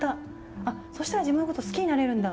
そしたら自分のこと好きになれるんだ！